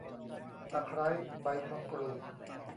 ตะไคร้ใบมะกรูด